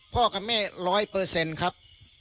พ่อกับแม่๑๐๐ครับ